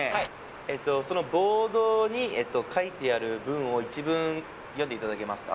ええとそのボードに書いてある文を一文読んでいただけますか？